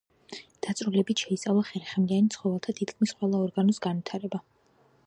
დაწვრილებით შეისწავლა ხერხემლიან ცხოველთა თითქმის ყველა ორგანოს განვითარება.